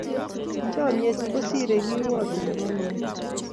Chomnyet kosirei kiwato nebo meet.